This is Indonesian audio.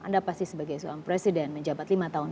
anda pasti sebagai suami presiden menjabat lima tahun